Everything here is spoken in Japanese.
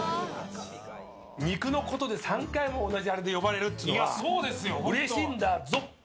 肉のことで３回も同じあれで呼ばれるのはうれしいんだぞっ。